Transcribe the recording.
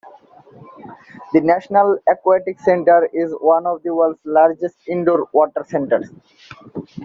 The National Aquatic Centre is one of the world's largest indoor water centres.